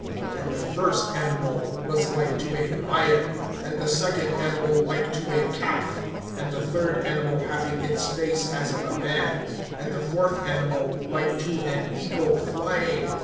(7)And the first animal was like to a lion, and the second animal like to a calf, and the third animal having its face as of a man, and the fourth animal like to an eagle flying.